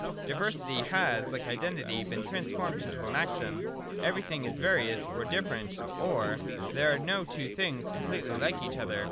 Diversity has, like Identity, been transformed into a maxim: 'Everything is various or different': or, 'There are no two things completely like each other.'